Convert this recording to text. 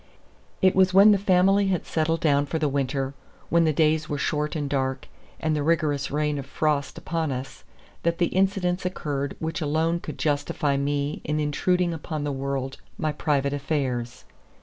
It was when the family had settled down for the winter, when the days were short and dark, and the rigorous reign of frost upon us, that the incidents occurred which alone could justify me in intruding upon the world my private affairs.